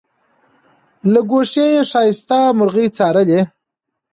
له ګوښې یې ښایسته مرغۍ څارله